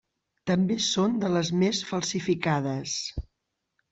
També són de les més falsificades.